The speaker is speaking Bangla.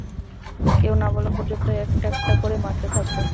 কেউ না বলা পর্যন্ত একটা একটা করে মারতে থাকব।